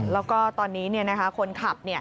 แล้วก็ตอนนี้คนขับ